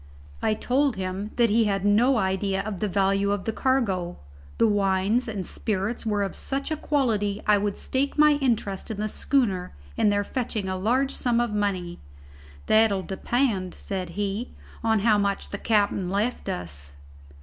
I told him that he had no idea of the value of the cargo. The wines and spirits were of such a quality I would stake my interest in the schooner in their fetching a large sum of money. "That'll depend," said he, "on how much the capt'n left us."